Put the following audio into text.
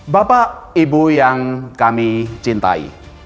bapak ibu yang kami cintai